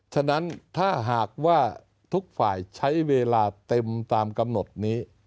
ฉะนั้นถ้าหากว่าทุกฝ่ายใช้เวลาเต็มตามกำหนดนี้